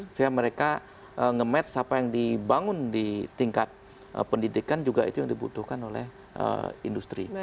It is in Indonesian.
supaya mereka nge match apa yang dibangun di tingkat pendidikan juga itu yang dibutuhkan oleh industri